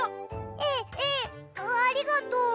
えっえっありがとう。